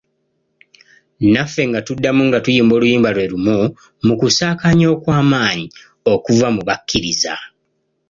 Naffe nga tuddamu nga tuyimba oluyimba lwe lumu, mu kusaakaanya okw'amaanyi okuva mu bakkiriza!